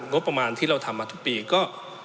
งบประมาณที่เราทำมาทุกปีก็